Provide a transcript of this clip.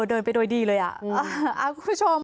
เดินไปโดยดีเลยอ่ะคุณผู้ชม